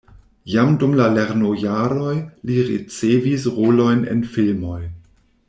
Jam dum la lernojaroj li ricevis rolojn en filmoj.